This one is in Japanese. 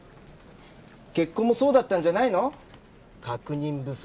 結婚もそうだったんじゃないの？確認不足。